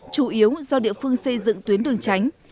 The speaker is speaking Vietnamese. chủ yếu do địa phương xây dựng tuyến đường tránh